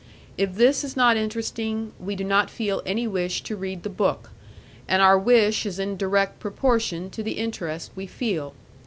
If this is not interesting, we do not feel any wish to read the book, and our wish is in direct proportion to the interest we feel.